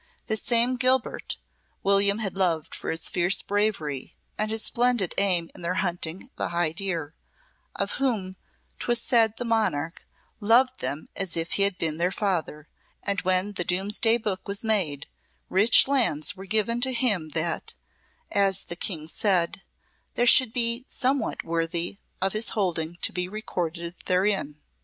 This same Guilbert, William had loved for his fierce bravery and his splendid aim in their hunting the high deer, of whom 'twas said the monarch "loved them as if he had been their father;" and when the Domesday Book was made, rich lands were given to him that, as the King said there should be somewhat worthy of his holding to be recorded therein.